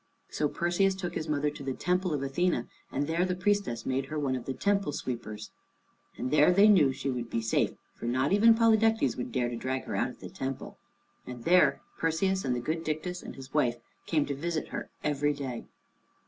So Perseus took his mother to the temple of Athené, and there the priestess made her one of the temple sweepers. And there they knew that she would be safe, for not even Polydectes would dare to drag her out of the temple. And there Perseus and the good Dictys and his wife came to visit her every day.